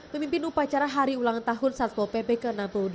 pemimpin upacara hari ulang tahun satpol pp ke enam puluh delapan